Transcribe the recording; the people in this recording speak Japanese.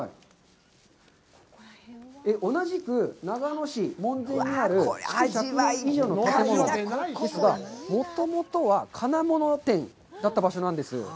同じく長野市門前にある地区、築１００年以上の建物ですが、もともとは金物店だった場所なんです。